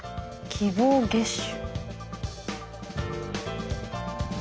希望月収。